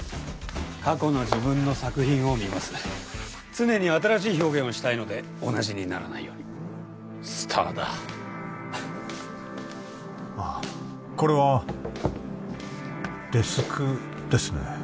過去の自分の作品を見ます常に新しい表現をしたいので同じにならないようにスターだあっこれはデスクですね